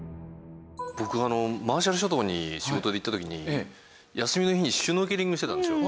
僕マーシャル諸島に仕事で行った時に休みの日にシュノーケリングしてたんですよ